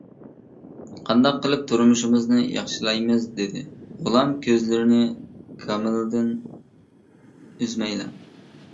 -قانداق قىلىپ تۇرمۇشىمىزنى ياخشىلايمىز دېدى غۇلام كۆزلىرىنى كامىلدىن ئۈزمەيلا.